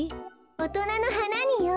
おとなのはなによ。